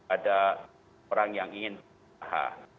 ada orang yang ingin